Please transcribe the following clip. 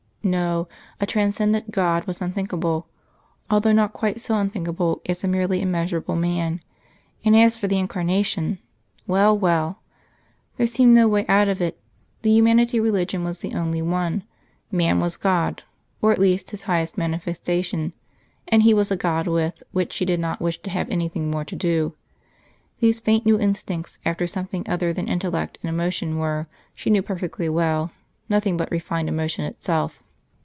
No a transcendent God was unthinkable, although not quite so unthinkable as a merely immeasurable Man. And as for the Incarnation well, well! There seemed no way out of it. The Humanity Religion was the only one. Man was God, or at least His highest manifestation; and He was a God with which she did not wish to have anything more to do. These faint new instincts after something other than intellect and emotion were, she knew perfectly well, nothing but refined emotion itself.